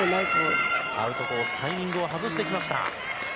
アウトコースタイミングを外します。